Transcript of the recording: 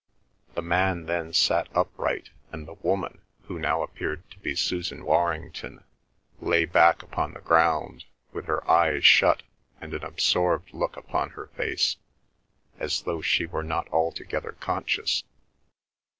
The man then sat upright and the woman, who now appeared to be Susan Warrington, lay back upon the ground, with her eyes shut and an absorbed look upon her face, as though she were not altogether conscious.